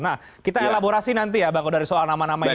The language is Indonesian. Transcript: nah kita elaborasi nanti ya bang kodari soal nama nama ini